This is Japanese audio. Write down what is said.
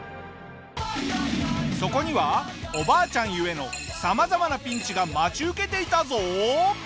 そこにはおばあちゃん故の様々なピンチが待ち受けていたぞ！